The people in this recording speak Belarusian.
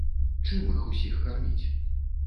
Чым іх усіх карміць?